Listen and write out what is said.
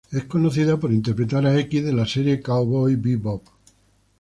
Es conocida por interpretar a de la serie Cowboy Bebop.